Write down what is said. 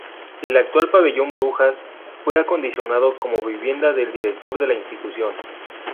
El actual pabellón Brujas fue acondicionado como vivienda del director de la institución.